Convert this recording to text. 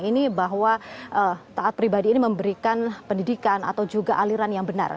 ini bahwa taat pribadi ini memberikan pendidikan atau juga aliran yang benar